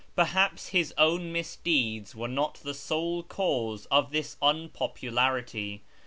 Perhaps his own misdeeds were not the sole cause of this unpopularity.